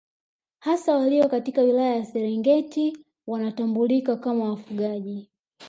Hasa walio katika wilaya ya Serengeti wanatambulika kama wafugaji